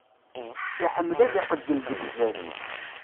Iḥemmel ad iqeggel deg uzal.